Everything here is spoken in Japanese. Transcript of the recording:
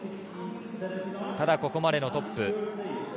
ただ、ここまでのトップ。